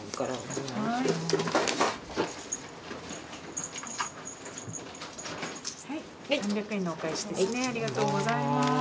ありがとうございます。